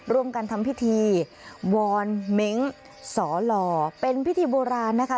ร่วมกันทำพิธีวอนเม้งสอหล่อเป็นพิธีโบราณนะคะ